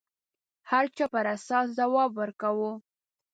هر چا پر اساس ځواب ورکاوه